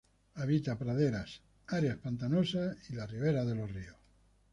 Habita praderas, áreas pantanosas y en las riberas de ríos.